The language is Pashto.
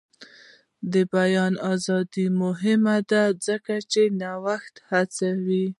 د بیان ازادي مهمه ده ځکه چې نوښت هڅوي.